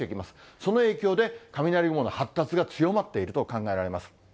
その影響で、雷雲の発達が強まっていると考えられます。